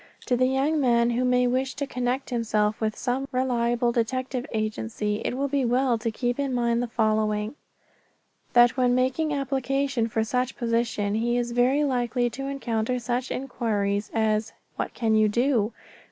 To the young man who may wish to connect himself with some reliable detective agency it will be well to keep in mind the following: That when making application for such position he very likely will encounter such inquiries as: "What can you do?"